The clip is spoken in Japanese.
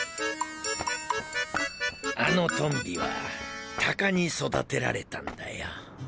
あのトンビは鷹に育てられたんだよ。